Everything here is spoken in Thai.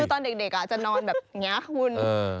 คือตอนเด็กจะนอนแบบเงี้ย